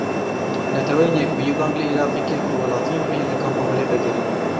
Netewên Yekbûyî bang li Iraqê kir ku welatiyên xwe yên li Kampa Holê vegerîne.